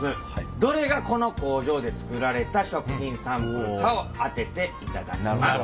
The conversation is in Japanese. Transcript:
どれがこの工場で作られた食品サンプルかを当てていただきます。